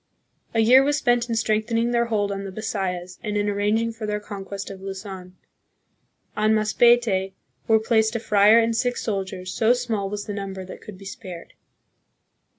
A year was spent in strengthening their hold on the Bisayas and in arranging for their conquest of Luzon. On Masbate were placed a friar and six soldiers, so small was the number that could be spared.